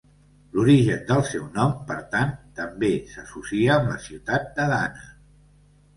L'origen del seu nom, per tant, també s'associa amb la ciutat d'Adana.